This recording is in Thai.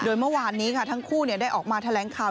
โดยเมื่อวานนี้ค่ะทั้งคู่ได้ออกมาแถลงข่าว